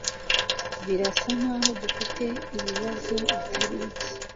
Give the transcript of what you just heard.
Birasa nkaho dufite ibibazo bitari bike